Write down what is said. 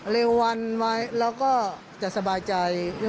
เร็ววันไว้เราก็จะสบายใจ